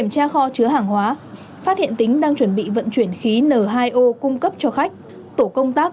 tra kho chứa hàng hóa phát hiện tính đang chuẩn bị vận chuyển khí n hai o cung cấp cho khách tổ công tác